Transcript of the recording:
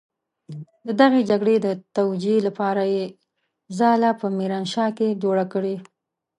د دغې جګړې د توجيې لپاره يې ځاله په ميرانشاه کې جوړه کړې.